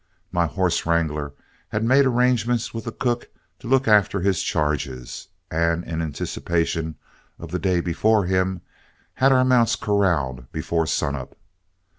My horse wrangler had made arrangements with the cook to look after his charges, and in anticipation of the day before him, had our mounts corralled before sun up.